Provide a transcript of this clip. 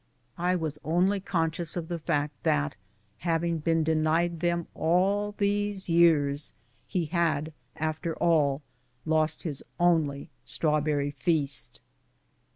I was only conscious of the fact that having been denied them all these years, he had, after all, lost his only strawberry feast.